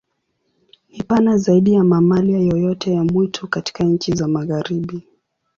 Ni pana zaidi ya mamalia yoyote ya mwitu katika nchi za Magharibi.